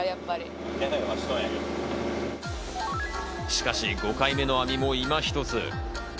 しかし、５回目の網も今ひとつ。